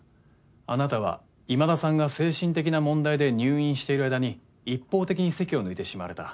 あなたは今田さんが精神的な問題で入院している間に一方的に籍を抜いてしまわれた。